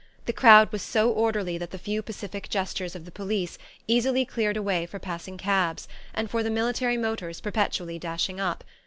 The crowd was so orderly that the few pacific gestures of the police easily cleared a way for passing cabs, and for the military motors perpetually dashing up.